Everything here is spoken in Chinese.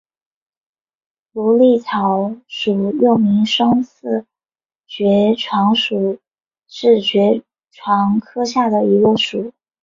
芦莉草属又名双翅爵床属是爵床科下的一个属。